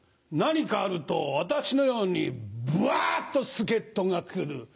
何かあると私のようにバっとスケットが来る。